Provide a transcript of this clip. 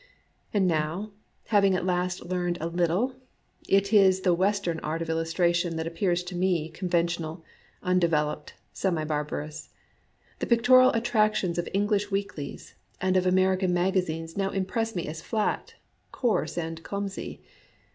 And now, having at last learned a little, it is the Western art of illustration that appears to me conventional, undeveloped, semi barbarous. The pictorial attractions of English weeklies and of American magazines now impress me as flat, coarse, and clumsy.